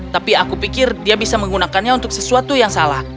tapi aku pikir dia bisa menggunakannya untuk sesuatu yang salah